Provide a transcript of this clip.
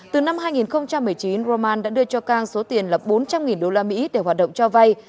từ năm hai nghìn một mươi chín roman đã đưa cho cang số tiền là bốn trăm linh usd để hoạt động cho vay